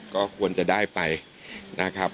ก็ควรจะได้ไปนะครับ